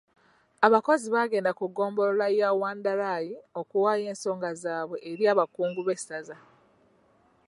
Abakozi baagenda ku ggombolola ya Wanderai okuwaayo ensonga zaabwe eri abakungu b'essaza.